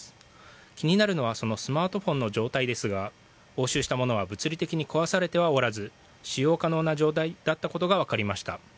気になるのはそのスマートフォンの状態ですが押収したものは物理的に壊されてはおらず使用可能な状態だったことがわかりました。